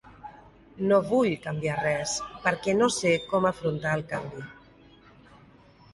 No vull canviar res, perquè no sé com afrontar el canvi.